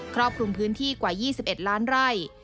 รอบคลุมพื้นที่กว่า๒๑ล้านไร่